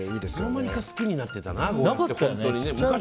いつの間にか好きになってたな、ゴーヤーって。